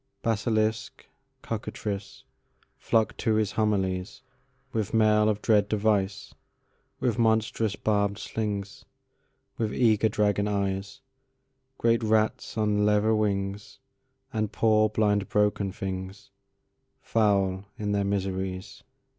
Basilisk, cockatrice, Flocked to his homilies, With mail of dread device, With monstrous barbéd slings, With eager dragon eyes; Great rats on leather wingsAnd poor blind broken things, Foul in their miseries.